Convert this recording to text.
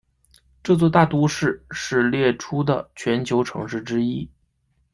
这座大都市是列出的全球城市之一。